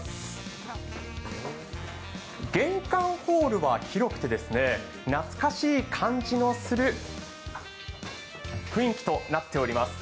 玄関ホールは広くて、懐かしい感じのする雰囲気となっております。